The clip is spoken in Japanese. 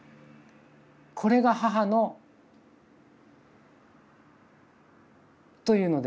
これが母のというのでですね